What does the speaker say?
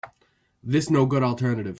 This no good alternative.